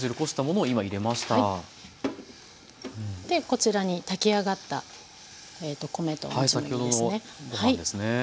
でこちらに炊き上がった米ともち麦ですね。